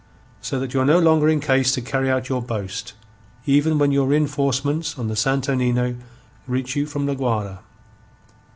So that you are no longer in case to carry out your boast, even when your reenforcements on the Santo Nino, reach you from La Guayra.